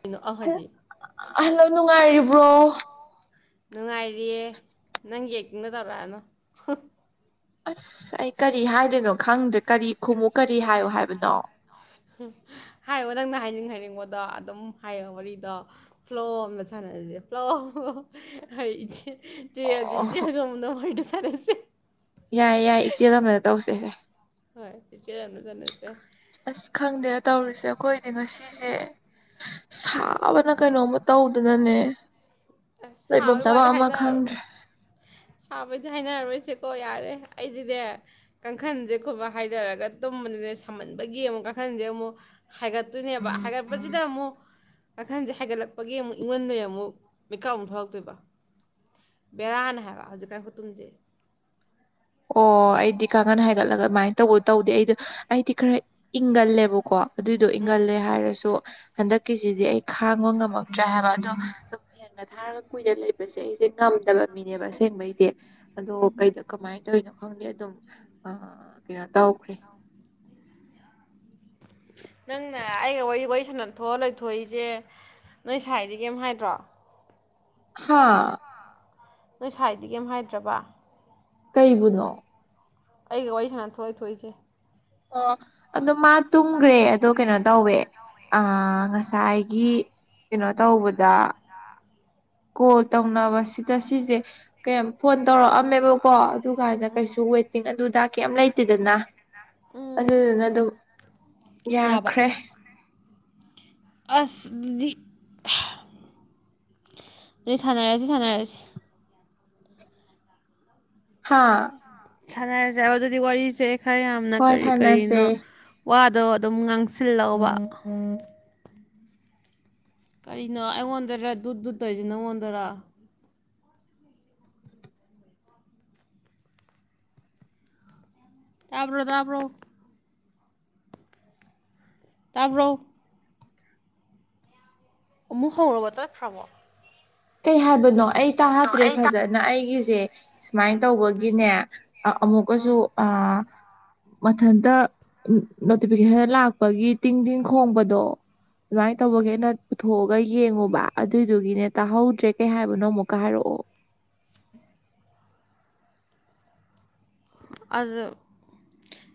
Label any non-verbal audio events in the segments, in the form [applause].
ꯀꯩꯅꯣ ꯍꯜ ꯑꯍꯗꯤ ꯍꯜꯂꯣ ꯅꯨꯡꯉꯥꯏꯔꯤꯕ꯭ꯔꯣ ꯅꯨꯡꯉꯥꯏꯔꯤꯌꯦ ꯅꯪꯒꯤ ꯑꯦꯛꯇꯤꯡꯗꯨ ꯇꯧꯔꯛꯑꯅꯨ ꯑꯁ ꯑꯩ ꯀꯔꯤ ꯍꯥꯏꯗꯣꯏꯅꯣ ꯈꯪꯗ꯭ꯔꯦ ꯀꯔꯤ ꯈꯨꯝꯃꯨ ꯀꯔꯤ ꯍꯥꯏꯌꯣ ꯍꯥꯏꯕꯅ [unintelligible] ꯍꯥꯏꯌꯣ ꯅꯪꯅ ꯍꯥꯏꯅꯤꯡ ꯍꯥꯏꯅꯤꯡꯕꯗꯣ ꯑꯗꯨꯝ ꯍꯥꯏꯌꯣ ꯋꯥꯔꯤꯗꯣ ꯐꯂꯣ ꯑꯃꯗ ꯁꯥꯟꯅꯖꯤ ꯐꯂꯣ ꯑꯩ ꯏꯆꯦ ꯆꯦꯑꯒꯤ ꯑꯣ [unintelligible] ꯈꯔꯦꯁꯦ ꯌꯥꯏ ꯌꯥꯏ ꯏꯆꯦꯜ ꯑꯃꯗ ꯇꯧꯁꯦꯁꯦ ꯍꯣꯏ ꯏꯆꯦꯜ ꯑꯃꯅ ꯁꯥꯟꯅꯁꯦ ꯑꯁ ꯈꯪꯗꯦ ꯇꯧꯔꯤꯁꯦ ꯑꯩꯈꯣꯏꯗꯤ ꯉꯁꯤꯖꯦ ꯁꯥꯕꯅ ꯀꯩꯅꯣꯝꯃ ꯇꯧꯗꯅꯅꯦ ꯑꯁ ꯂꯩꯐꯝ ꯁꯥꯕꯩ ꯆꯥꯐꯝ ꯋꯥꯗꯤ ꯑꯃ ꯈꯪꯗ꯭ꯔꯦ ꯍꯥꯏꯅꯔꯣꯏ ꯁꯥꯕꯩꯗꯤ ꯍꯥꯏꯅꯔꯔꯣꯏꯁꯦꯀꯣ ꯌꯥꯔꯦ ꯑꯩꯗꯤꯅꯦ ꯀꯥꯡꯈꯟꯖꯦ [unintelligible] ꯍꯥꯏꯗꯔꯒ ꯇꯨꯝꯕꯅꯤꯅꯦ ꯁꯥꯃꯟꯕꯒꯤ ꯑꯃꯨꯛ ꯀꯥꯡꯈꯟꯁꯦ ꯑꯃꯨꯛ ꯍꯥꯏꯒꯠꯇꯣꯏꯅꯦꯕ ꯍꯥꯏꯒꯠꯄꯖꯤꯗ ꯑꯃꯨꯛ ꯀꯈꯟꯖꯦ ꯍꯥꯏꯒꯠꯂꯛꯄꯒꯤ ꯑꯃꯨꯛ ꯏꯪꯃꯟꯕꯩ ꯑꯃꯨꯛ ꯃꯤꯀꯞ ꯑꯃꯨꯛ ꯊꯣꯛꯂꯛꯇꯣꯏꯕ ꯕꯦꯔꯥꯅꯦ ꯍꯥꯏꯕ ꯍꯧꯖꯤꯛꯀꯥꯟ ꯈꯨꯇꯨꯝꯖꯩ ꯑꯣ ꯑꯩꯗꯤ ꯀꯥꯡꯒꯟ ꯍꯥꯏꯒꯠꯂꯒ ꯑꯃꯥꯏ ꯇꯧꯕ ꯇꯧꯗꯦ ꯑꯩꯗꯣ ꯑꯩꯗꯤ ꯈꯔ ꯏꯪꯒꯜꯂꯦꯕꯀꯣ ꯑꯗꯨꯏꯗꯣ ꯎꯝ ꯏꯪꯒꯜꯂꯦ ꯍꯥꯏꯔꯁꯨ ꯍꯟꯗꯛꯀꯤꯖꯤꯗꯤ ꯑꯩ ꯈꯥꯡꯕ ꯉꯝꯃꯛꯇ꯭ꯔꯦ ꯍꯥꯏꯕ ꯑꯗꯣ ꯑꯗꯨꯝ ꯍꯦꯟꯒ ꯊꯥꯔꯒ ꯀꯨꯏꯅ ꯂꯩꯕꯁꯦ ꯑꯩꯁꯦ ꯉꯝꯗꯕ ꯃꯤꯅꯦꯕ ꯑꯁꯦꯡꯕꯩꯗꯤ ꯑꯗꯣ ꯀꯩꯗ ꯀꯃꯥꯏ ꯈꯪꯗꯦ ꯑꯗꯨꯝ ꯑꯥ ꯀꯩꯅꯣ ꯇꯧꯈ꯭ꯔꯦ ꯅꯪꯅ ꯑꯩꯒ ꯋꯥꯔꯤ ꯋꯥꯔꯤ ꯁꯥꯟꯅ ꯊꯣꯛꯑ ꯂꯩꯊꯣꯏꯖꯦ ꯅꯣꯏ ꯁꯥꯏꯗꯤ ꯀꯩꯏꯝ ꯍꯥꯏꯗ꯭ꯔꯣ ꯍꯥꯥ ꯅꯣꯏ ꯁꯥꯏꯗꯤ ꯀꯩꯏꯝ ꯍꯥꯏꯗ꯭ꯔꯕ ꯀꯩꯕꯨꯅꯣ ꯑꯩꯒꯤ ꯋꯥꯔꯤ ꯁꯥꯅꯊꯣꯛꯑ ꯂꯩꯊꯣꯏꯖꯦ ꯑꯣ ꯑꯗꯣ ꯃꯥ ꯇꯨꯝꯒꯔꯦ ꯑꯗꯣ ꯀꯩꯅꯣ ꯇꯧꯋꯦ ꯑꯥ ꯉꯁꯥꯏꯒꯤ ꯀꯩꯅꯣ ꯇꯧꯕꯗ ꯀꯣꯜ ꯇꯧꯅꯕ ꯁꯤꯗ ꯁꯤꯖꯦꯀꯌꯥꯝ ꯐꯣꯟ ꯇꯧꯔꯛꯑ ꯃꯦꯕꯀꯣ ꯑꯗꯨ ꯀꯥꯏꯅ ꯀꯩꯁꯨ ꯋꯦꯇꯤꯡ ꯑꯗꯨꯗ ꯀꯩꯏꯝ ꯂꯩꯇꯦꯗꯅ ꯎꯝ ꯑꯗꯨꯗꯨꯅ ꯗꯨꯝ ꯌꯥꯕ ꯌꯥꯈ꯭ꯔꯦ ꯑꯁ ꯗꯨꯗꯤ ꯗꯨꯗꯤ ꯁꯥꯟꯅꯔꯖꯤ ꯁꯥꯟꯅꯔꯖꯤ ꯍꯥꯥ ꯁꯅꯔꯁꯦꯕ ꯑꯗꯨꯗꯤ ꯋꯥꯔꯤꯔꯤꯁꯦ ꯈꯔ ꯌꯥꯝꯅ ꯍꯣꯏ ꯀꯔꯤ ꯁꯥꯟꯅꯁꯦ ꯀꯔꯤꯅꯣ ꯋꯥꯗꯣ ꯗꯨꯝ ꯉꯥꯡꯁꯤꯜꯂꯣꯕ ꯀꯔꯤꯅꯣ ꯑꯩꯉꯣꯟꯗꯔꯥ ꯗꯨꯠ ꯗꯨꯠꯇꯧꯏꯖꯤ ꯅꯪꯉꯣꯟꯗꯔ ꯇꯥꯕ꯭ꯔꯣ ꯇꯥꯕ꯭ꯔꯣ ꯇꯥꯕ꯭ꯔꯣ ꯑꯃꯨꯛ ꯍꯧꯔꯕꫭ ꯇꯠꯈ꯭ꯔꯕꫭ ꯀꯩ ꯍꯥꯏꯕꯅꯣ ꯑꯩ ꯑꯩ ꯇꯥꯍꯗ꯭ꯔꯦ ꯐꯖꯅ ꯑꯩꯒꯤ ꯖꯦ ꯁꯨꯃꯥꯏꯅ ꯇꯧꯕꯒꯤꯅꯦ ꯑꯥ ꯑꯃꯨꯛꯀꯁꯨ ꯑ ꯃꯊꯟꯇ ꯅꯣꯇꯤꯐꯤꯀꯦꯁꯟ ꯂꯥꯛꯄꯒꯤ ꯇꯤꯡ ꯇꯤꯡ ꯈꯣꯡꯕꯗꯣ ꯑꯗꯨꯃꯥꯏꯅ ꯇꯧꯕꯒꯤ ꯑꯦꯅ ꯄꯨꯊꯣꯛꯑꯒ ꯌꯦꯡꯉꯨꯕ ꯑꯗꯨꯏꯗꯨꯒꯤꯅꯦ ꯇꯥꯍꯧꯗ꯭ꯔꯦ ꯀꯩ ꯍꯥꯏꯕꯅꯣ ꯑꯃꯨꯛꯀ ꯍꯥꯏꯔꯛꯑꯣ ꯑꯗꯨ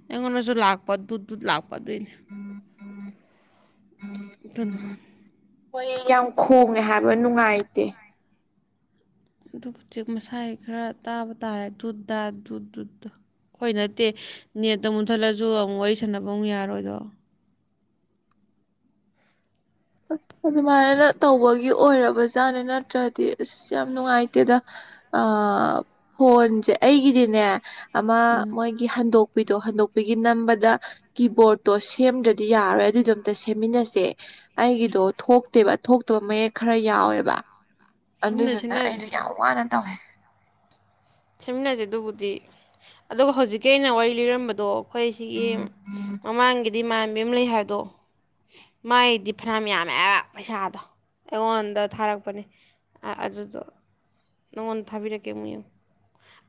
ꯑꯩꯉꯣꯟꯗꯁꯨ ꯂꯥꯛꯄ ꯗꯨꯠ ꯗꯨꯠ ꯂꯥꯛꯄ ꯄ ꯑꯗꯨꯏꯅꯦ ꯏ ꯊꯟ ꯍꯣꯏ ꯌꯥꯝ ꯈꯣꯡꯉꯦ ꯍꯥꯏꯕ ꯅꯨꯡꯉꯥꯏꯇꯦ ꯑꯗꯨꯕꯨꯗꯤ ꯃꯁꯥꯏ ꯈꯔ ꯇꯥꯕ ꯇꯥꯔꯦ ꯗꯨꯗ ꯗꯨꯠ ꯑꯩꯈꫭꯏ ꯅꯠꯇꯦ ꯅꯦꯠꯇ ꯃꯨꯟꯊꯠꯂꯁꯨ ꯑꯃꯨꯛ ꯋꯥꯔꯤ ꯁꯥꯟꯅꯕ ꯑꯃꯨꯛ ꯌꯥꯔꯣꯏꯗꯣ ꯑꯁ ꯑꯗꯨꯃꯥꯏꯅ ꯇꯧꯕꯒꯤ ꯑꯣꯏꯔꯕꯖꯥꯠꯅꯦ ꯅꯠꯇ꯭ꯔꯗꯤ ꯑꯁ ꯌꯥꯝ ꯅꯨꯡꯉꯥꯏꯇꯦꯗ ꯑ ꯐꯣꯟꯁꯦ ꯑꯩꯒꯤꯗꯤꯅꯦ ꯑꯃ ꯎꯝ ꯃꯣꯏꯒꯤ ꯍꯟꯗꯣꯛꯄꯤ ꯑꯗꯣ ꯍꯟꯗꯣꯛꯄꯤꯒꯤ ꯅꯝꯕꯗ ꯀꯤꯕꯣꯔꯠꯇꯣ ꯁꯦꯝꯗ꯭ꯔꯗꯤ ꯌꯥꯔꯣꯏ ꯑꯗꯨꯏꯗꯣ ꯑꯝꯇ ꯁꯦꯝꯃꯤꯟꯅꯁꯦ ꯑꯩꯒꯤꯗꯣ ꯊꯣꯛꯇꯦꯕ ꯊꯣꯛꯇꯕ ꯃꯌꯦꯛ ꯈꯔ ꯌꯥꯎꯋꯦꯕ ꯁꯦꯝꯅ ꯑꯗꯨꯗꯨꯅ ꯁꯦꯝꯅꯁꯦ ꯑꯩꯗꯤ ꯌꯥꯝ ꯋꯥꯅ ꯇꯧꯋꯦ ꯁꯦꯝꯃꯤꯟꯅꯖꯤ ꯑꯗꯨꯕꯨꯗꯤ ꯑꯗꯨꯒ ꯍꯧꯖꯤꯛꯀꯤ ꯑꯩꯅ ꯋꯥꯔꯤ ꯂꯤꯔꯝꯕꯗꯣ ꯑꯩꯈꯣꯏ ꯁꯤꯒꯤ ꯃꯃꯥꯡꯒꯤꯗꯤ ꯏꯃꯥꯟꯕꯤ ꯑꯃ ꯂꯩ ꯍꯥꯏꯕꯗꯣ ꯃꯥꯏꯗꯤ ꯐꯅꯌꯥꯝ ꯌꯥꯝꯃꯦ ꯄꯩꯁꯥꯗꯣ ꯑꯩꯉꯣꯟꯗ ꯊꯥꯔꯛꯄꯅꯦ ꯑꯗꯨꯗꯣ ꯅꯪꯉꯣꯟꯗ ꯊꯥꯕꯤꯔꯛꯀꯦ ꯑꯃꯨꯛ ꯌꯦꯡꯉꯨ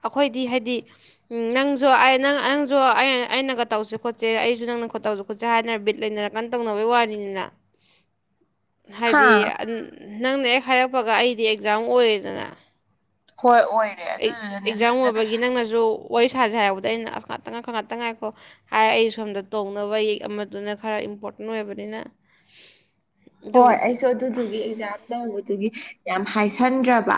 ꯑꯩꯈꯣꯏꯗꯤ ꯍꯥꯏꯗꯤ ꯅꯪꯁꯨ ꯅꯪꯁꯨ ꯑꯩꯅꯒ ꯇꯧꯁꯦ ꯈꯣꯠꯁꯦ ꯑꯩꯁꯨ ꯅꯪꯅ ꯇꯧꯁꯦ ꯈꯣꯠꯁꯦ ꯍꯥꯏꯗꯅ ꯕꯤꯠ ꯂꯩꯅꯔ ꯀꯟꯅ ꯇꯧꯅꯕꯩ ꯋꯥꯅꯤꯅꯤꯅ ꯍꯥ ꯍꯥꯏꯗꯤ ꯅꯪꯅ ꯍꯦꯛ ꯍꯥꯏꯔꯛꯄꯒ ꯑꯩꯗꯤ ꯑꯦꯛꯖꯥꯝ ꯑꯣꯏꯔꯦꯗꯅ ꯍꯣꯏ ꯑꯣꯏꯔꯦ ꯑꯗꯨꯗꯨꯅꯅꯦ ꯑꯦꯛꯖꯥꯝ ꯑꯗꯨꯗꯨꯗ ꯑꯣꯏꯕꯒꯤ ꯅꯪꯅꯁꯨ ꯋꯥꯔꯤ ꯁꯥꯥꯁꯦ ꯍꯥꯏꯕꯗ ꯑꯩꯅ ꯑꯁ ꯉꯥꯛꯇ ꯉꯥꯏ ꯉꯥꯛꯇ ꯉꯥꯏꯈꯣ ꯍꯥꯏ ꯑꯩ ꯁꯣꯝꯗ ꯇꯣꯡꯅꯕ ꯌꯦꯛ ꯑꯃꯗꯨꯅ ꯈꯔ ꯏꯝꯄꯣꯔꯇꯦꯟ ꯑꯣꯏꯕꯅꯤꯅ ꯍꯣꯏ ꯑꯗꯨꯕꯨꯗꯤ ꯑꯩꯁꯨ ꯑꯗꯨꯗꯨꯒꯤ ꯑꯦꯛꯖꯥꯝꯗ ꯑꯗꯨꯒꯤ ꯌꯥꯝ ꯍꯥꯏꯁꯟꯗ꯭ꯔꯕ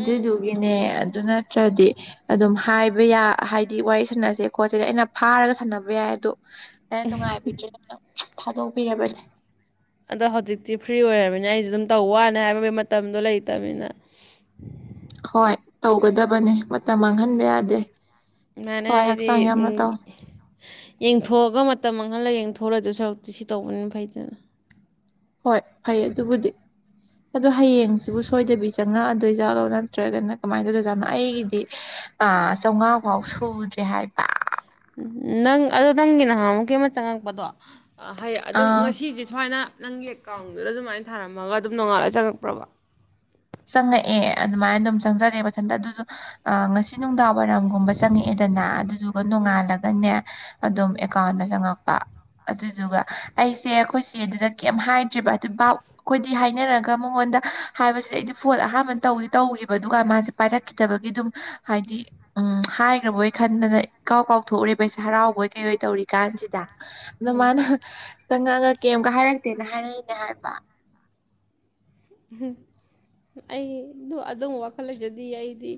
ꯎꯝ ꯑꯗꯨ ꯅꯠꯇ꯭ꯔꯗꯤ ꯑꯗꯨꯝ ꯍꯥꯏꯕ ꯌꯥ ꯍꯥꯏꯗꯤ ꯋꯥꯔꯤ ꯁꯥꯟꯅꯁꯦ ꯈꯣꯠꯁꯦ ꯑꯩꯅ ꯐꯥꯔꯒ ꯁꯥꯟꯅꯕ ꯌꯥꯏ ꯑꯗꯣ ꯑꯩꯅ ꯅꯨꯡꯉꯥꯏꯕꯤꯗꯔ꯭ꯦꯅ ꯇꯧ ꯊꯥꯗꯣꯛꯄꯤꯔꯕꯅꯦ ꯑꯗꯣ ꯍꯧꯖꯤꯛꯇꯤ ꯐ꯭ꯔꯤ ꯑꯣꯏꯔꯕꯅꯤꯅ ꯑꯩꯁꯡ ꯑꯗꯨꯝ ꯇꯧꯕ ꯋꯥꯅꯤ ꯍꯥꯏꯕꯒꯤ ꯃꯇꯝꯗꯣ ꯂꯩꯇꯝꯅꯤꯅ ꯍꯣꯏ ꯇꯧꯒꯗꯕꯅꯤ ꯃꯇꯝ ꯃꯥꯡꯍꯟꯕ ꯌꯥꯗꯦ ꯃꯥꯏꯅ ꯊꯋꯥꯏ ꯑꯩꯗꯤ ꯍꯛꯆꯥꯡ ꯌꯥꯝꯅ ꯎꯝ ꯇꯧ ꯌꯦꯡꯊꯣꯛꯑꯒ ꯃꯇꯝ ꯃꯥꯡꯍꯜꯂ ꯌꯦꯡꯊꯣꯛꯑ ꯂꯩꯗꯧ ꯁꯔꯨꯛꯇꯤ ꯁꯤ ꯇꯧꯕꯅꯤꯅ ꯐꯩꯗꯅ ꯍꯣꯏ ꯐꯩ ꯑꯗꯨꯕꯨꯗꯤ ꯑꯗꯣ ꯍꯌꯦꯡꯁꯤꯕꯨ ꯁꯣꯏꯗꯕꯤ ꯆꯪꯉꯛꯑꯗꯣꯏꯖꯥꯠꯂꯣ ꯅꯠꯇ꯭ꯔꯒꯅ ꯀꯃꯥꯏꯅ ꯇꯧꯗꯣꯏ ꯖꯥꯠꯅꯣ ꯑꯩꯒꯤꯗꯤ ꯑꯥ ꯆꯧꯉꯥ ꯐꯥꯎ ꯁꯨꯗ꯭ꯔꯦ ꯍꯥꯏꯕ ꯅꯪ ꯑꯗꯨ ꯅꯪꯒꯤ ꯅꯍꯥꯃꯨꯛꯀꯤ ꯑꯃ ꯆꯪꯉꯛꯄꯗꯣ ꯍꯌꯦ ꯑꯗꯨꯝ ꯑꯥ ꯉꯁꯤꯁꯦ ꯁꯨꯃꯥꯏꯅ ꯅꯪꯒꯤ ꯑꯦꯀꯥꯎꯟꯗꯨꯗ ꯑꯗꯨꯃꯥꯏ ꯊꯥꯔꯝꯃꯒ ꯑꯗꯨꯝ ꯅꯣꯡꯉꯥꯜꯂ ꯆꯪꯉꯛꯄ꯭ꯔꯕ ꯆꯪꯉꯛꯑꯦ ꯑꯗꯨꯃꯥꯏꯅ ꯑꯗꯨꯝ ꯆꯪꯖꯔꯦ ꯃꯊꯟꯇ ꯑꯗꯨꯁꯡꯖꯨ ꯉꯁꯤ ꯅꯨꯡꯗꯥꯡ ꯋꯥꯏꯔꯝꯒꯨꯝꯕ ꯆꯪꯉꯛꯑꯦꯗꯅ ꯑꯗꯨꯗꯨꯒ ꯅꯣꯡꯉꯥꯜꯂꯒꯅꯦ ꯑꯗꯨꯝ ꯑꯦꯀꯥꯎꯟꯗ ꯆꯪꯉꯛꯄ ꯑ ꯑꯗꯨꯗꯨꯒ ꯑꯩꯁꯦ ꯑꯩꯈꯣꯏ ꯆꯦ ꯗꯨꯗ ꯀꯩꯝ ꯍꯥꯏꯗ꯭ꯦꯔꯤꯕ ꯑꯗꯨ ꯚꯞ ꯑꯩꯈꯣꯏꯗꯤ ꯍꯥꯏꯅꯔꯒ ꯃꯉꯣꯟꯗ ꯍꯥꯏꯕꯁꯤꯗ ꯑꯩ ꯐꯣꯟ ꯑꯍꯥꯟꯕ ꯇꯧꯗꯤ ꯇꯧꯒꯤꯕ ꯑꯗꯨꯒ ꯃꯥꯖꯦ ꯄꯥꯏꯔꯛꯈꯤꯗꯕꯒꯤ ꯑꯗꯨꯝ ꯍꯥꯏꯗꯤ ꯍꯥꯏꯈ꯭ꯔꯕꯣꯏ ꯈꯟꯗꯅ ꯏ ꯀꯥꯎ ꯀꯥꯎꯊꯣꯛꯎꯔꯦꯕꯩꯁꯦ ꯍꯔꯥꯎꯕꯣꯏ ꯀꯩꯍꯣꯏ ꯇꯧꯔꯤ ꯀꯥꯟꯁꯤꯗ ꯑꯗꯣ ꯎꯝ ꯃꯥꯅ ꯆꯪꯉ ꯉ ꯀꯩꯝꯒ ꯍꯥꯏꯔꯛꯇꯦꯅ ꯍꯥꯏꯔꯛꯏꯅꯦ ꯍꯥꯏꯕ ꯎꯝ ꯑꯩ ꯗꯨ ꯑꯗꯨꯝꯕ ꯋꯥꯈꯜ ꯂꯩꯖꯗꯤꯌꯦ ꯑꯩ ꯗꯤ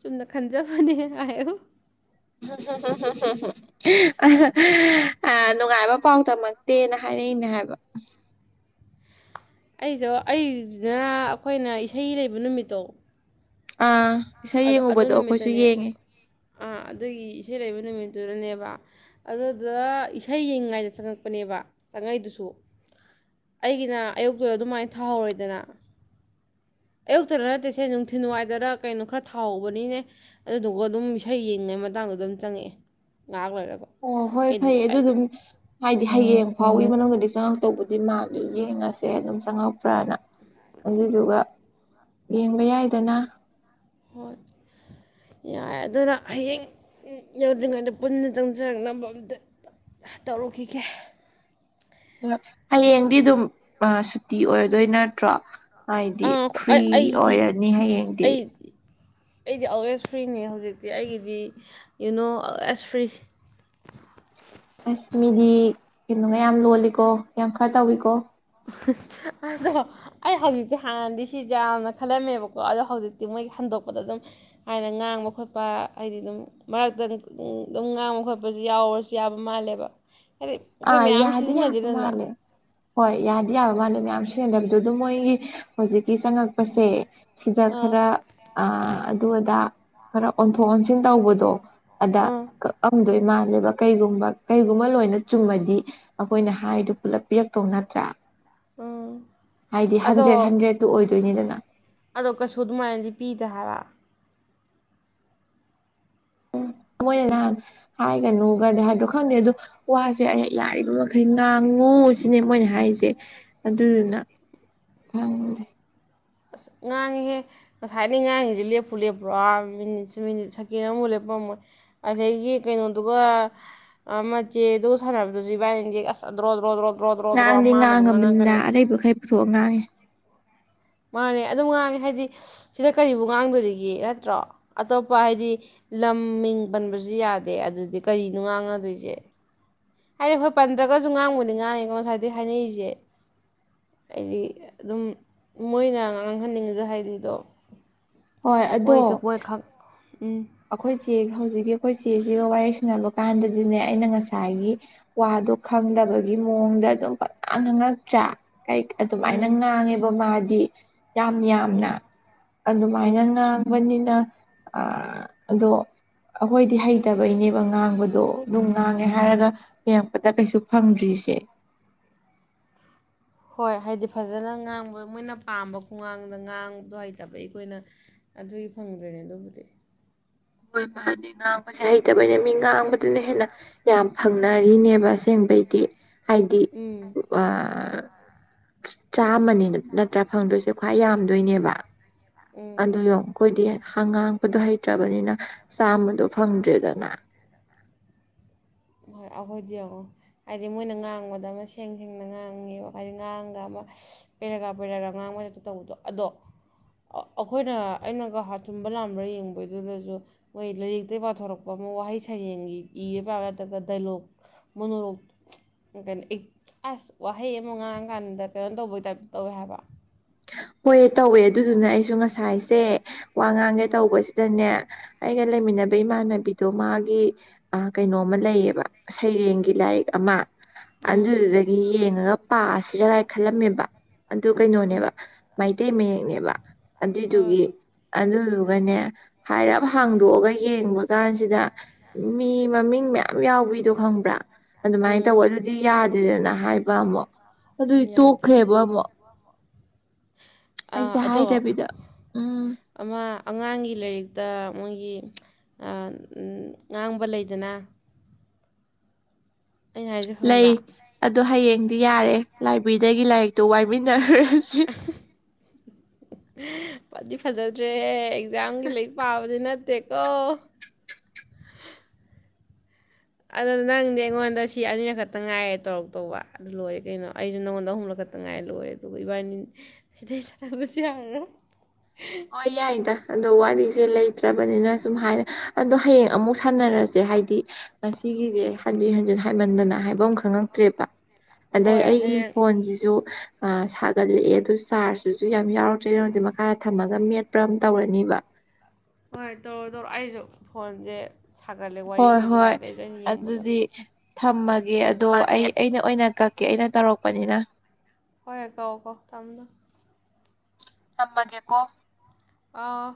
ꯆꯨꯝꯅ ꯈꯟꯖꯕꯅꯦ ꯍꯥꯏꯌꯨ ꯑ ꯅꯨꯡꯉꯥꯏꯕ ꯄꯥꯎ ꯇꯝꯃꯛꯇꯦꯅ ꯍꯥꯏꯔꯛꯏꯅꯦ ꯍꯥꯏꯕ ꯑꯩꯖꯨ ꯑꯩꯖꯤꯅ ꯑꯩꯈꯣꯏꯅ ꯏꯁꯩ ꯂꯩꯕ ꯅꯨꯃꯤꯠꯇꯣ ꯑꯥ ꯏꯁꯩ ꯑꯗꯨ ꯑꯗꯨ ꯌꯦꯡꯉꯨꯕꯗꯣ ꯑꯈꯣꯏꯁꯨ ꯅꯨꯃꯤꯠꯇꯅꯦ ꯌꯦꯡꯉꯦ ꯑꯥ ꯑꯗꯨꯒꯤ ꯏꯁꯩ ꯂꯩꯕ ꯅꯨꯃꯤꯠꯇꯨꯗꯅꯦꯕ ꯑꯗꯨꯗ ꯏꯁꯩ ꯌꯦꯡꯉꯤꯉꯥꯏꯗ ꯆꯪꯉꯛꯄꯅꯦꯕ ꯆꯪꯉꯛꯏꯗꯨꯁꯨ ꯑꯩꯒꯤꯅ ꯑꯌꯨꯛꯇꯨꯗ ꯑꯗꯨꯃꯥꯏꯅ ꯊꯥꯍꯧꯔꯦꯗꯅ ꯑꯌꯨꯛꯇꯗ ꯅꯠꯇꯦ ꯁꯦ ꯅꯨꯡꯊꯤꯟꯋꯥꯏꯗꯔ ꯀꯩꯅꯣ ꯈꯔ ꯊꯥꯎꯕꯅꯤꯅꯦ ꯑꯗꯨꯗꯨꯒ ꯑꯗꯨꯝ ꯏꯁꯩ ꯌꯦꯡꯉꯤꯉꯩ ꯃꯇꯥꯡꯗꯨꯗ ꯑꯗꯨꯝ ꯆꯪꯉꯛꯑꯦ ꯉꯥꯏꯍꯥꯛ ꯂꯩꯔꯒ ꯑꯣ ꯍꯣꯏ ꯑꯩ ꯐꯩꯌꯦ ꯑꯗꯨ ꯑꯗꯨꯝ ꯍꯥꯏꯗꯤ ꯍꯌꯦꯡ ꯐꯥꯎꯒꯤ ꯃꯅꯨꯡꯗꯗꯤ ꯆꯪꯉꯛꯇꯧꯕꯗ ꯗꯤ ꯃꯥꯜꯂꯤ ꯌꯦꯡꯉꯁꯦ ꯑꯗꯨꯝ ꯆꯪꯉꯛꯄ꯭ꯔꯅ ꯑꯗꯨꯗꯨꯒ ꯌꯦꯡꯕ ꯌꯥꯏꯗꯅ ꯍꯣꯏ ꯌꯥꯏ ꯑꯗꯨꯅ ꯍꯌꯦꯡ ꯌꯧꯗ꯭ꯔꯤꯉꯩꯗ ꯄꯨꯟꯅ ꯆꯪꯖꯔꯛꯅꯕ ꯑꯝꯇ ꯇꯧꯔꯨꯈꯤꯒꯦ ꯍ ꯍꯌꯦꯡꯗꯤ ꯑꯗꯨꯝ ꯑ ꯁꯨꯇꯤ ꯑꯣꯏꯔꯗꯣꯏ ꯅꯠꯇ꯭ꯔꯣ ꯍꯥꯏꯗꯤ ꯑꯥ ꯐ꯭ꯔꯤ ꯑꯩꯗꯤ ꯑꯣꯏꯔꯅꯤ ꯍꯌꯦꯡꯗꯤ ꯑꯩ ꯑꯩꯗꯤ ꯑꯜꯋꯦꯁ ꯐ꯭ꯔꯤꯅꯦ ꯍꯧꯖꯤꯛꯇꯤ ꯑꯩꯒꯤꯗꯤ ꯌꯨꯅꯣ ꯑꯜꯋꯦꯁ ꯐ꯭ꯔꯤ ꯑꯁ ꯃꯤꯗꯤ ꯀꯩꯅꯣ ꯃ ꯌꯥꯝ ꯂꯣꯜꯂꯤꯀꯣ ꯌꯥꯝ ꯈꯔ ꯇꯧꯏꯀꯣ ꯑꯗꯣ ꯑꯩ ꯍꯧꯖꯤꯛꯇꯤ ꯍꯥꯟꯅꯗꯤ ꯁꯤꯖꯦ ꯌꯥꯝꯅ ꯈꯜꯂꯝꯃꯦꯕꯀꯣ ꯑꯗꯣ ꯍꯧꯖꯤꯛꯇꯤ ꯃꯣꯏꯒꯤ ꯍꯟꯗꯣꯛꯄꯗ ꯑꯗꯨꯝ ꯍꯥꯏꯅ ꯉꯥꯡꯕ ꯈꯣꯠꯄ ꯍꯥꯏꯗꯤ ꯑꯗꯨꯝ ꯃꯔꯛꯇ ꯑꯗꯨꯝ ꯉꯥꯡꯕ ꯈꯣꯠꯄꯁꯤ ꯌꯥꯎꯔꯁꯨ ꯌꯥꯕ ꯃꯥꯜꯂꯦꯕ ꯍꯥꯏꯗꯤ ꯑꯩꯈꯣꯏ ꯑꯥ ꯃꯌꯥꯝ ꯌꯥꯗꯤ ꯌꯥ ꯕ ꯁꯤꯖꯤꯟꯅꯗꯦꯗꯅ ꯃꯥꯂꯦ ꯍꯣꯏ ꯌꯥꯗ ꯌꯥꯋꯥꯅꯤ ꯃꯌꯥꯝ ꯁꯤꯗꯕꯗ ꯑꯗꯨ ꯃꯣꯏꯒꯤ ꯍꯧꯖꯤꯛꯀꯤ ꯆꯪꯉꯛꯄꯁꯦ ꯁꯤꯗ ꯑꯥ ꯈꯔ ꯑꯗꯨ ꯑꯗꯥ ꯈꯔ ꯑꯣꯟꯊꯣꯛ ꯑꯣꯟꯁꯤꯟ ꯇꯧꯕꯗꯣ ꯑꯗ ꯑꯥ ꯀꯥꯀꯝꯗꯣꯏꯟ ꯃꯥꯜꯂꯦꯕ ꯀꯩꯒꯨꯝꯕ ꯀꯩꯒꯨꯝꯕ ꯂꯣꯏꯅ ꯆꯨꯝꯕꯗꯤ ꯑꯩꯈꯣꯏꯅ ꯍꯥꯏꯗꯣ ꯄꯨꯂꯞ ꯄꯤꯔꯛꯇꯧ ꯅꯠꯇ꯭ꯔꯥ ꯎꯝ ꯍꯥꯏꯗꯤ ꯑꯗꯣ ꯍꯟꯗ꯭ꯔꯦꯠ ꯍꯟꯗ꯭ꯔꯦꯗꯇꯨ ꯑꯣꯏ ꯇꯅꯤꯗꯅ ꯑꯗꯣ ꯀꯩꯁꯨ ꯑꯗꯨꯃꯥꯏꯅꯗꯤ ꯄꯤꯗꯦ ꯍꯥꯏꯕ ꯎꯝ ꯃꯣꯏꯅ ꯅꯍꯥꯟ ꯍꯥꯏꯒꯅꯨꯒꯗꯤ ꯍꯥꯏꯕꯗꯣ ꯈꯪꯗꯦ ꯑꯗꯨꯗꯣ ꯋꯥꯁꯦ ꯑ ꯌꯥꯔꯤꯕ ꯃꯈꯩ ꯉꯥꯡꯉꯨ ꯁꯤꯅꯦ ꯃꯣꯏꯅ ꯍꯥꯏꯔꯤꯁꯦ ꯑꯗꯨꯗꯨꯅ ꯈꯪꯗꯦ ꯑꯁ ꯉꯥꯡꯉꯤꯍꯦ ꯉꯁꯥꯏꯗꯒꯤ ꯉꯥꯡꯉꯤꯁꯤꯦ ꯂꯦꯞꯄꯨ ꯂꯦꯞꯄ꯭ꯔꯣ ꯃꯤꯅꯤꯠꯁ ꯃꯤꯅꯤꯠ ꯁꯦꯀꯦꯟ ꯑꯃꯨꯛ ꯂꯦꯞꯄꯝꯃꯣꯏ ꯑꯗꯒꯤ ꯀꯩꯅꯣꯗꯨꯒ ꯃꯆꯦꯗꯨ ꯁꯥꯟꯅꯕꯗꯨꯁꯨ ꯏꯕꯥꯏꯅꯤꯒꯤ ꯑꯁ꯭ꯔꯣ ꯗ꯭ꯔꯣ ꯗ꯭ꯔꯣ ꯗ꯭ꯔꯣ ꯗ꯭ꯔꯣ ꯉꯥꯡꯗꯤ ꯃꯥꯅꯁꯨ ꯉꯥꯡꯉꯕꯅꯤꯅ ꯉꯥꯡꯉꯛꯀꯅꯤ ꯑꯔꯩꯕꯈꯩ ꯄꯨꯊꯣꯛꯑ ꯉꯥꯡꯉꯤ ꯃꯥꯅꯦꯦ ꯑꯗꯨꯝ ꯉꯥꯡꯉꯦ ꯍꯥꯏꯗꯤ ꯁꯤꯗ ꯀꯔꯤꯕꯨ ꯉꯥꯡꯗꯣꯏꯔꯤꯒꯦ ꯅꯠꯇ꯭ꯔꯣ ꯑꯇꯣꯞꯄ ꯍꯥꯏꯗꯤ ꯂꯝ ꯃꯤꯡ ꯄꯟꯕꯁꯨ ꯌꯥꯗꯦ ꯑꯗꯨꯗꯤ ꯀꯔꯤꯅꯣ ꯉꯥꯡꯉꯗꯣꯏꯁꯦ ꯍꯥꯏꯔꯦ ꯑꯩ ꯍꯣꯏ ꯄꯟꯗ꯭ꯔꯒꯁꯨ ꯉꯥꯡꯕꯨꯅꯤ ꯉꯥꯡꯉꯤꯀꯣ ꯉ ꯍꯥꯏꯗꯤ ꯍꯥꯏꯅꯔꯤꯁꯦ ꯍꯥꯏꯗꯤ ꯑꯗꯨꯝ ꯃꯣꯏꯅ ꯉꯥꯡꯍꯟꯅꯤꯡꯉꯤꯗ ꯍꯥꯏꯗꯤꯗꯣ ꯍꯣꯏ ꯑꯗꯣ ꯃꯣꯏꯁꯨ ꯃꯣꯏꯈꯛ ꯎꯝ ꯑꯩꯈꯣꯏ ꯆꯦ ꯍꯧꯖꯤꯛꯀꯤ ꯑꯩꯈꯣꯏ ꯆꯦꯁꯤꯒ ꯋꯥꯔꯤꯔ ꯁꯟꯅꯕ ꯀꯥꯟꯗꯗꯤꯅꯦ ꯑꯩꯅ ꯉꯁꯥꯏꯒꯤ ꯋꯥꯗꯣ ꯈꯪꯗꯕꯒꯤ ꯃꯑꯣꯡꯗ ꯑꯗꯨꯝ ꯐꯖꯅ ꯉꯛꯇ꯭ꯔꯦ ꯑꯗꯨꯃꯥꯏꯅ ꯎꯝ ꯉꯥꯡꯉꯦꯕ ꯃꯥꯗꯤ ꯗꯤ ꯌꯥꯝ ꯌꯥꯝꯅ ꯎꯝ ꯑꯗꯨꯃꯥꯏꯅ ꯎꯝ ꯉꯥꯡꯕꯅꯤꯅ ꯑ ꯑꯗꯣ ꯑꯩꯈꯣꯏꯗꯤ ꯍꯩꯇꯕꯩꯅꯦꯕ ꯉꯥꯡꯕꯗꯣ ꯑꯗꯨꯝ ꯉꯥꯡꯉꯦ ꯍꯥꯏꯔꯒ ꯌꯦꯡꯉꯛꯄꯗ ꯀꯩꯁꯨ ꯐꯪꯗ꯭ꯔꯤꯁꯦ ꯍꯣꯏ ꯍꯥꯏꯗꯤ ꯐꯖꯅ ꯉꯥꯡꯕ ꯃꯣꯏꯅ ꯄꯥꯝꯕ ꯈꯒꯥꯡꯗ ꯉꯥꯡꯕꯗ ꯍꯩꯇꯕ ꯑꯩꯈꯣꯏꯅ ꯑꯗꯨꯒꯤ ꯐꯪꯗ꯭ꯔꯦꯅꯦ ꯑꯗꯨꯕꯨꯗꯤ ꯍꯣꯏ ꯃꯥꯅꯦ ꯉꯥꯡꯕꯁꯦ ꯍꯩꯇꯕꯅ ꯃꯤ ꯉꯥꯡꯕꯗꯨꯅ ꯍꯦꯟꯅ ꯌꯥꯝ ꯐꯪꯅꯔꯤꯅꯦꯕ ꯑꯁꯦꯡꯕꯩꯗꯤ ꯍꯥꯏꯗꯤ ꯎꯝ ꯆꯥꯃꯅꯤ ꯅꯠꯇ꯭ꯔꯥ ꯐꯪꯗꯣꯏꯁꯦ ꯈ꯭ꯋꯥꯏ ꯌꯥꯝꯗꯣꯏꯅꯦꯕ ꯎꯝ ꯑꯗꯨ ꯌꯣ ꯀꯣꯏꯗꯤ ꯍꯉꯥꯡꯕꯗꯣ ꯍꯩꯇ꯭ꯔꯕꯅꯤꯅ ꯆꯥꯝꯃꯗꯣ ꯐꯪꯗ꯭ꯔꯦꯗꯅ ꯍꯣꯏ ꯑꯩꯈꯣꯏꯗꯤ ꯌꯦꯡꯉꯣ ꯍꯥꯏꯗꯤ ꯃꯣꯏꯅ ꯉꯥꯡꯕꯗ ꯑꯃ ꯁꯦꯡ ꯁꯦꯡꯅ ꯉꯥꯡꯉꯦꯕ ꯍꯥꯏꯗꯤ ꯉꯥꯡꯉꯒ ꯑꯃ ꯄꯦꯔꯒ ꯄꯦꯔꯒꯥ ꯉꯥꯡꯕꯗ ꯇꯧꯕꯗꯣ ꯑꯗꯣ ꯑꯩꯈꯣꯏꯅ ꯑꯩꯅꯒ ꯆꯨꯝꯕ ꯂꯥꯝꯕ꯭ꯔꯥ ꯌꯦꯡꯕꯩꯗꯨꯗꯁꯨ ꯃꯣꯏ ꯂꯥꯏꯔꯤꯛꯇꯒꯤ ꯄꯥꯊꯣꯔꯛꯄ ꯑꯃ ꯋꯥꯍꯩ ꯁꯩꯔꯦꯡꯒꯤ ꯏꯔ ꯄꯥ ꯑꯗꯨꯒ ꯗꯥꯏꯂꯣꯛ ꯃꯣꯅꯣꯔꯣꯛ ꯀꯩꯅꯣ ꯑꯦ ꯑꯁ ꯋꯥꯍꯩ ꯑꯃ ꯉꯥꯡꯉꯀꯥꯟꯗ ꯀꯩꯅꯣ ꯇꯧꯕꯩ ꯇꯥꯏꯞꯇ ꯇꯧꯋꯦ ꯍꯥꯏꯕꯥ ꯍꯣꯏ ꯇꯧꯋꯦ ꯑꯗꯨꯗꯨꯅ ꯑꯩꯁꯨ ꯉꯁꯥꯏꯁꯦ ꯋꯥ ꯉꯥꯡꯒꯦ ꯎꯝ ꯇꯧꯕꯁꯤꯗꯅꯦ ꯑꯩꯒ ꯎꯝ ꯂꯩꯃꯤꯟꯅꯕ ꯏꯃꯥꯟꯅꯕꯤ ꯑꯗꯣ ꯃꯥꯒꯤ ꯀꯩꯅꯣꯃ ꯂꯩꯌꯦꯕ ꯁꯩꯔꯦꯡꯒꯤ ꯂꯥꯏꯔꯤꯛ ꯑꯃ ꯑꯗꯨꯗꯨꯗꯒꯤ ꯌꯦꯡꯉꯒ ꯄꯥꯁꯤꯔꯒꯥꯏ ꯈꯜꯂꯝꯃꯦꯕ ꯑꯗꯨ ꯎꯝ ꯎꯝ ꯀꯩꯅꯣꯅꯦꯕ ꯃꯩꯇꯩ ꯃꯌꯦꯡꯅꯦꯕ ꯍꯣꯏ ꯑꯗꯨꯏꯗꯨꯒꯤ ꯑꯗꯨꯗꯨꯒꯅꯦ ꯍꯥꯏꯔꯞ ꯍꯥꯡꯗꯣꯛꯑꯒ ꯌꯦꯡꯕ ꯀꯥꯟꯁꯤꯗ ꯃꯤ ꯃꯃꯤꯡ ꯃꯌꯥꯝ ꯌꯥꯝ ꯌꯥꯎꯕꯤꯗꯣ ꯈꯪꯕ꯭ꯔꯥ ꯑꯗꯨꯃꯥꯏꯅ ꯎꯝ ꯇꯧꯕ ꯑꯗꯨꯗꯤ ꯌꯥꯗꯦꯗꯅ ꯍꯥꯏꯕ ꯑꯃꯨꯛ ꯑꯗꯨꯏ ꯌꯥꯗꯦ ꯇꯣꯛꯈ꯭ꯔꯦꯕ ꯑꯃꯨꯛ ꯑꯥ ꯑꯩꯁꯦ ꯑꯗꯣ ꯍꯥꯏꯗꯕꯤꯗ ꯎꯝ ꯑꯃ ꯑꯉꯥꯡꯒꯤ ꯂꯥꯏꯔꯤꯛꯇ ꯇ ꯃꯣꯏꯒꯤ ꯉꯥꯡꯕ ꯂꯩꯗꯅ ꯑꯩꯅ ꯍꯥꯏꯁꯦ ꯂꯩ ꯈꯪꯕ꯭ꯔꯥ ꯑꯗꯨ ꯍꯌꯦꯡ ꯗꯤ ꯌꯥꯔꯦ ꯂꯥꯏꯕ꯭ꯔꯦꯔꯤꯗꯒꯤ ꯂꯥꯏꯔꯤꯛ ꯇꫭ ꯋꯥꯏꯃꯤꯟꯅꯔꯨꯔꯁꯤ ꯐꯗꯤ ꯐꯖꯗ꯭ꯔꯦꯍꯦ ꯑꯦꯛꯖꯥꯥꯡꯒꯤ ꯂꯥꯏꯔꯤꯛ ꯄꯥꯕꯗꯤ ꯅꯠ ꯇꯦꯀꫭ ꯑꯗꯨ ꯅꯪꯗꯤ ꯑꯩꯉꯣꯟꯗ ꯁꯤ ꯑꯅꯤꯔꯛ ꯈꯛꯇ ꯉꯥꯏꯔꯦ ꯇꯧꯔꯛꯇꯧꯕ ꯑꯗꯨ ꯂꯣꯏꯔꯦ ꯀꯩꯅꯣ ꯑꯩꯁꯨ ꯅꯪꯉꯣꯟꯗ ꯑꯍꯨꯝꯂꯛ ꯈꯛꯇ ꯉꯥꯏꯔꯦ ꯂꯣꯏꯔꯦ ꯑꯗꯨꯒ ꯏꯕꯥꯅꯤ ꯁꯤꯗꯩ ꯆꯠꯅꯕꯁꯨ ꯌꯥꯔꯔꫭꯏ ꯍꯣꯏ ꯌꯥꯏꯗ ꯑꯗꯣ ꯋꯥꯔꯤꯁꯦ ꯂꯩꯇ꯭ꯔꯕꯅꯤꯅ ꯁꯨꯝ ꯍꯥꯏꯔ ꯑꯗꯣ ꯍꯌꯦꯡ ꯑꯃꯨꯛ ꯁꯥꯟꯅꯔꯁꯦ ꯍꯥꯏꯗꯤ ꯉꯁꯤꯒꯤꯁꯦ ꯍꯟꯖꯤꯟ ꯍꯟꯖꯤꯟ ꯍꯥꯏꯃꯟꯗꯅ ꯍꯥꯏꯕꯝ ꯈꯪꯉꯛꯇ꯭ꯔꯦꯕ ꯑꯗꯩ ꯍꯣꯏ ꯑꯩꯒꯤ ꯍꯌꯦꯡ ꯐꯣꯟꯖꯤꯖꯨ ꯑꯥ ꯁꯥꯒꯠꯂꯛꯑꯦ ꯑꯗꯨ ꯆꯥꯔꯖꯇꯨꯁꯨ ꯌꯥꯝ ꯌꯥꯎꯔꯛꯇ꯭ꯔꯦ ꯅꫭꯏꯗꯤ ꯃꯈꯥꯗ ꯊꯝꯃꯒ ꯃꯦꯠꯄ꯭ꯔꯥ ꯑꯝ ꯇꯧꯔꯅꯤꯕ ꯍꯣꯏ ꯇꯧꯔꯣ ꯇꯧꯔꯣ ꯑꯩꯁꯨ ꯐꯣꯟꯖꯦ ꯁꯥꯒꯠꯂꯦ ꯍꯣꯏ ꯋꯥꯔꯤꯁꯦ ꯉꯥꯏꯕꯩꯖꯨ ꯑꯩ ꯌꯦꯡꯕꯒ ꯊꯝꯃ ꯒꯦ ꯑꯗꯣ ꯑꯩ ꯑꯩꯅ ꯑꯣꯏꯅ ꯀꯛ ꯀꯦ ꯑꯩꯅ ꯇꯧꯔꯛꯄꯅꯤꯅ ꯍꯣꯏ ꯀꯥꯛꯑꫭ ꯀꯥꯛꯑꫭ ꯊꯝꯃꫭ ꯊꯝꯃꫭ ꯇꯝꯃꯒꯦ ꯀꯣ ꯑꯥ